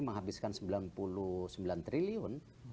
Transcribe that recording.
menghabiskan sembilan puluh sembilan triliun